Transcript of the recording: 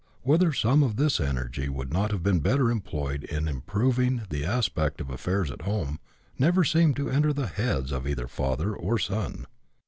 Whether some of this energy would not have been better employed in improving the aspect of affairs at home, never seemed to enter the heads of either father or son.